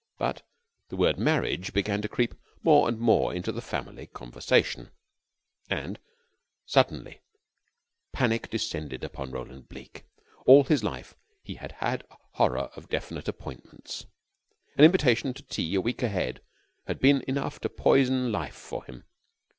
But the word marriage began to creep more and more into the family conversation, and suddenly panic descended upon Roland Bleke. All his life he had had a horror of definite appointments. An invitation to tea a week ahead had been enough to poison life for him.